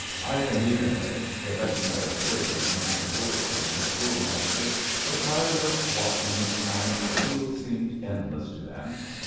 Ivan Ivanich, the veterinary surgeon, and Bourkin, the schoolmaster, were tired of walking and the fields seemed endless to them.